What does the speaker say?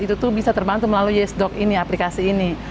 itu tuh bisa terbantu melalui yesdoc ini aplikasi ini